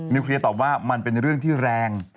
เคลียร์ตอบว่ามันเป็นเรื่องที่แรง